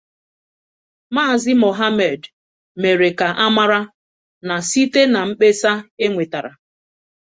Maazị Mọhammed mèrè ka a mara na site na mkpesa e nwètàrà